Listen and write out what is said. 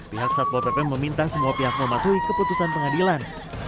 pihak satpol pp meminta semua pihak mematuhi keputusan pengadilan